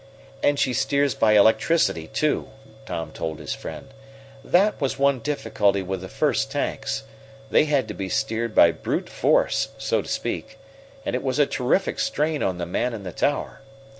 "And she steers by electricity, too," Tom told his friend. "That was one difficulty with the first tanks. They had to be steered by brute force, so to speak, and it was a terrific strain on the man in the tower.